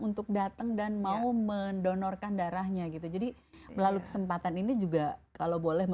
untuk datang dan mau mendonorkan darahnya gitu jadi melalui kesempatan ini juga kalau boleh